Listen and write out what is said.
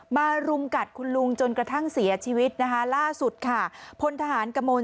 รุมกัดคุณลุงจนกระทั่งเสียชีวิตนะคะล่าสุดค่ะพลทหารกระมวล